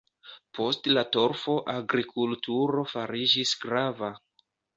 Post la torfo agrikulturo fariĝis grava.